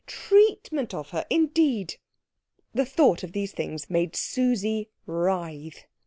Treatment of her, indeed! The thought of these things made Susie writhe.